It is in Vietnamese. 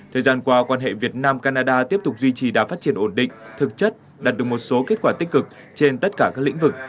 thời gian qua quan hệ việt nam canada tiếp tục duy trì đã phát triển ổn định thực chất đạt được một số kết quả tích cực trên tất cả các lĩnh vực